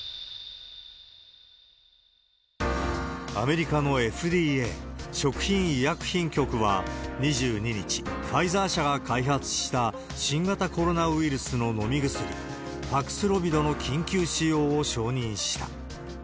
アメリカのＦＤＡ・アメリカ食品医薬品局は、２２日、ファイザー社が開発した新型コロナウイルスの飲み薬、パクスロビドの緊急使用を承認した。